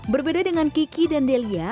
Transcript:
berbeda dengan kiki dan delia